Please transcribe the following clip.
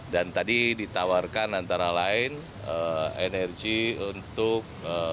dan tadi ditawarkan antara lain energi untuk